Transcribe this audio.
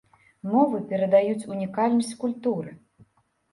Мовы перадаюць унікальнасць культуры.